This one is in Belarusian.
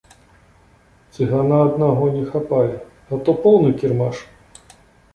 Цыгана аднаго не хапае, а то поўны кірмаш!